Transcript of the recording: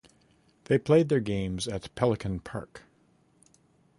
They played their games at Pelican Park.